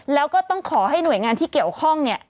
แล้วก็ต้องขอให้หน่วยงานที่เกี่ยวข้องเนี่ย